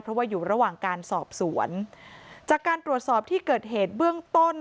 เพราะว่าอยู่ระหว่างการสอบสวนจากการตรวจสอบที่เกิดเหตุเบื้องต้น